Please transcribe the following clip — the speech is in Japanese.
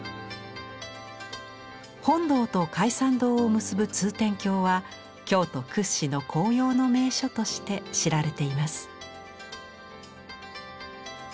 本堂と開山堂を結ぶ通天橋は京都屈指の紅葉の名所として知られています。